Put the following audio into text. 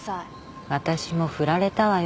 私も振られたわよ。